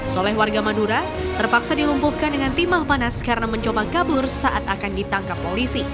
soleh warga madura terpaksa dilumpuhkan dengan timah panas karena mencoba kabur saat akan ditangkap polisi